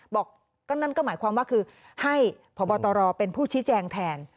บอกก็นั่นก็หมายความว่าคือให้พบตรเป็นผู้ชี้แจงแทน